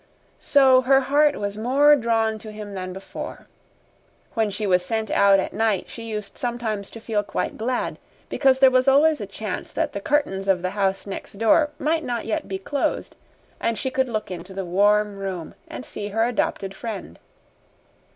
So her heart was more drawn to him than before. When she was sent out at night she used sometimes to feel quite glad, because there was always a chance that the curtains of the house next door might not yet be closed and she could look into the warm room and see her adopted friend.